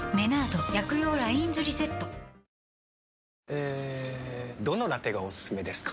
えどのラテがおすすめですか？